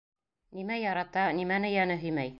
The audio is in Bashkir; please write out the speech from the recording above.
Нимә ярата, нимәне йәне һөймәй.